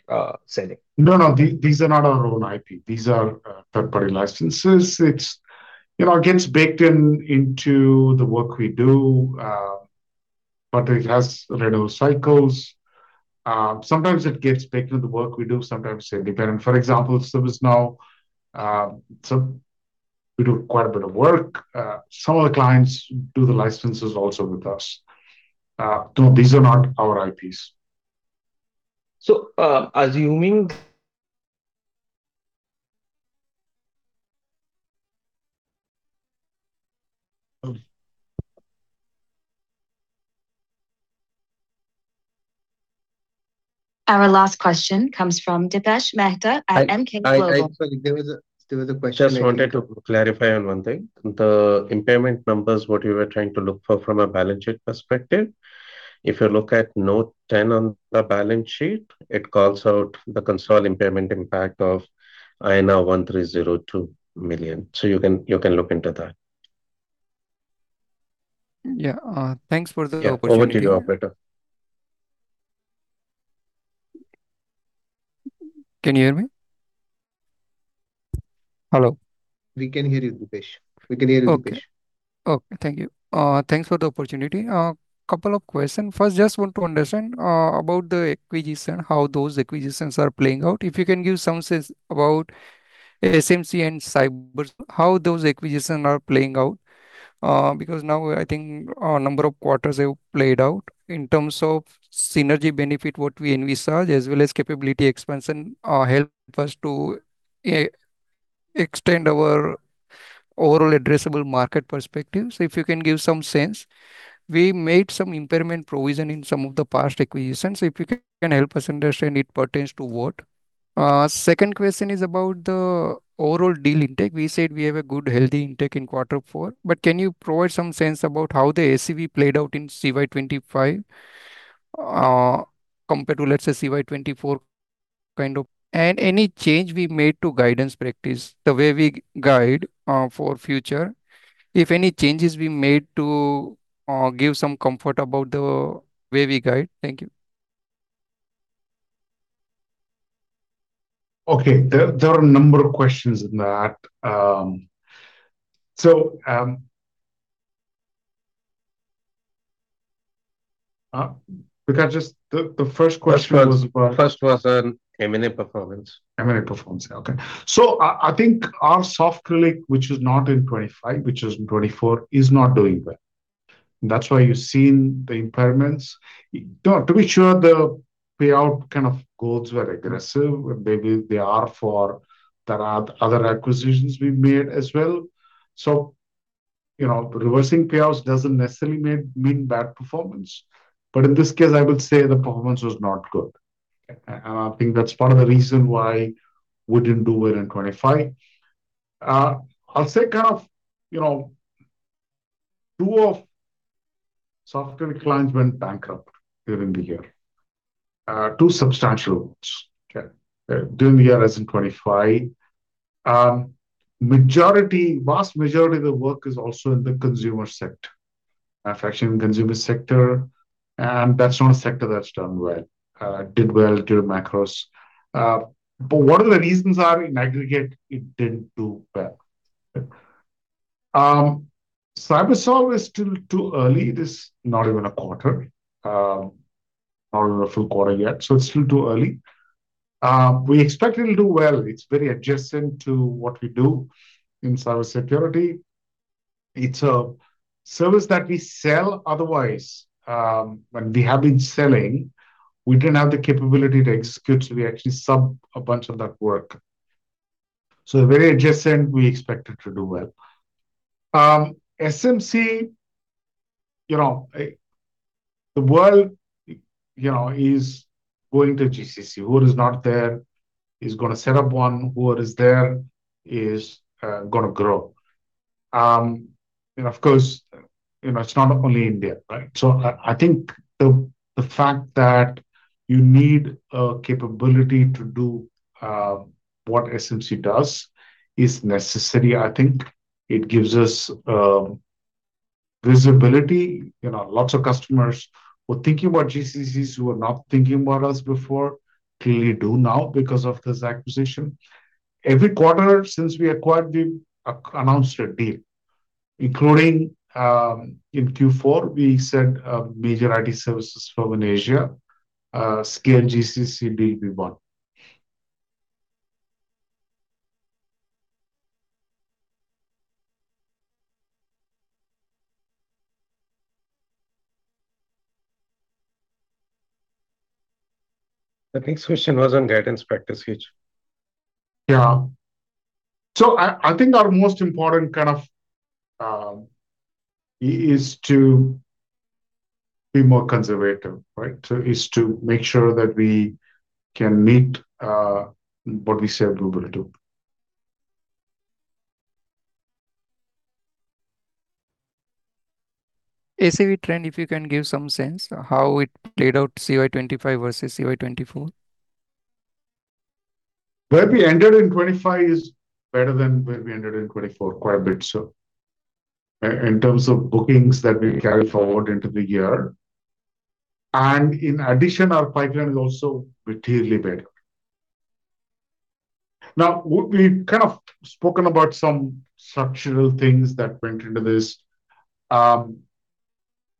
selling? No, no, these are not our own IP. These are third-party licenses. It's, you know, it gets baked in into the work we do, but it has renewal cycles. Sometimes it gets baked into the work we do, sometimes they're dependent. For example, ServiceNow, so we do quite a bit of work. Some of the clients do the licenses also with us. No, these are not our IPs. Assuming- Our last question comes from Dipesh Mehta at Emkay Global. Sorry, there was a question- Just wanted to clarify on one thing. The impairment numbers, what you were trying to look for from a balance sheet perspective, if you look at note 10 on the balance sheet, it calls out the console impairment impact of INR 1,302 million. So you can, you can look into that. Yeah, thanks for the opportunity. Yeah. Over to you, operator. Can you hear me? Hello. We can hear you, Dipesh. We can hear you, Dipesh. Okay. Okay, thank you. Thanks for the opportunity. Couple of questions. First, just want to understand about the acquisition, how those acquisitions are playing out. If you can give some sense about SMC and Cyber, how those acquisitions are playing out. Because now I think a number of quarters have played out. In terms of synergy benefit, what we envisage, as well as capability expansion, help us to extend our overall addressable market perspective. So if you can give some sense. We made some impairment provision in some of the past acquisitions, so if you can help us understand it pertains to what? Second question is about the overall deal intake. We said we have a good, healthy intake in quarter four, but can you provide some sense about how the ACV played out in CY 2025, compared to, let's say, CY 2024, kind of... And any change we made to guidance practice, the way we guide, for future, if any changes we made to give some comfort about the way we guide. Thank you.... Okay. There are a number of questions in that. So, we can just—the first question was- First was on M&A performance. M&A performance. Okay. So I think our Softcrylic, which is not in 2025, which is in 2024, is not doing well. That's why you've seen the impairments. To be sure, the payout kind of goals were aggressive, maybe they are for there are other acquisitions we made as well. So, you know, reversing payouts doesn't necessarily mean bad performance. But in this case, I would say the performance was not good. I think that's part of the reason why we didn't do it in 2025. I'll say kind of, you know, two of software clients went bankrupt during the year. Two substantial ones. Okay. During the year as in 2025, vast majority of the work is also in the consumer sector. Actually, in consumer sector, and that's not a sector that's done well, did well due to macros. But what are the reasons? In aggregate, it didn't do well. CyberSolve is still too early. It is not even a quarter, not even a full quarter yet, so it's still too early. We expect it'll do well. It's very adjacent to what we do in cyber security. It's a service that we sell otherwise, and we have been selling. We didn't have the capability to execute, so we actually sub a bunch of that work. So very adjacent, we expect it to do well. SMC, you know, the world, you know, is going to GCC. Who is not there is gonna set up one, who is there is gonna grow. And of course, you know, it's not only India, right? So I think the fact that you need a capability to do what SMC does is necessary. I think it gives us visibility. You know, lots of customers who are thinking about GCCs, who were not thinking about us before, clearly do now because of this acquisition. Every quarter since we acquired, we announced a deal, including in Q4, we signed a major IT services firm in Asia-scale GCC deal we won. The next question was on guidance practice, H&I. Yeah. So I think our most important kind of is to be more conservative, right? So is to make sure that we can meet what we said we will do. ACV trend, if you can give some sense, how it played out CY 2025 versus CY 2024? Where we ended in 2025 is better than where we ended in 2024, quite a bit so. In terms of bookings that we carry forward into the year, and in addition, our pipeline is also materially better. Now, we've kind of spoken about some structural things that went into this.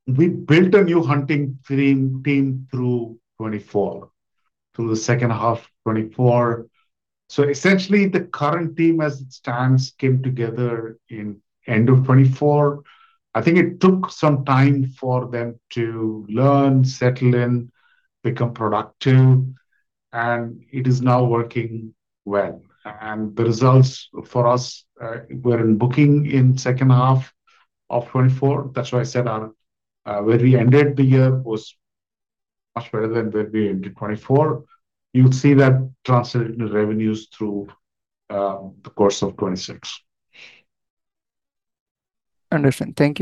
We built a new hunting frame team through 2024, through the second half of 2024. So essentially, the current team, as it stands, came together in end of 2024. I think it took some time for them to learn, settle in, become productive, and it is now working well. And the results for us were in booking in second half of 2024. That's why I said our where we ended the year was much better than where we ended 2024. You'll see that translated into revenues through the course of 2026. Understand. Thank you.